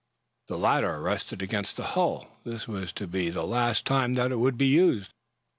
The ladder rested against the hull; this was to be the last time that it would be used.